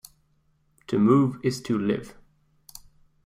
To move is to live.